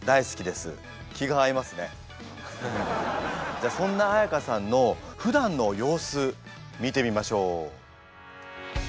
じゃあそんな彩歌さんのふだんの様子見てみましょう。